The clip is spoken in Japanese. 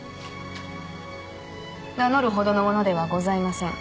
名乗るほどの者ではございません。